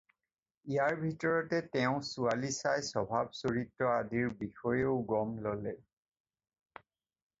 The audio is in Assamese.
ইয়াৰ ভিতৰতে তেওঁ ছোৱালী চাই স্বভাৱ-চৰিত্ৰ আদিৰ বিষয়েও গম ল'লে।